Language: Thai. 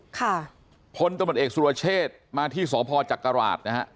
คนตรวจจบจุรเชษฐ์มาที่สหพจักราศนะฮะ